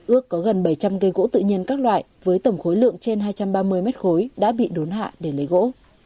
ước có gần bảy trăm linh cây gỗ tự nhiên các loại với tổng khối lượng trên hai trăm ba mươi mét khối đã bị đốn hạ để lấy gỗ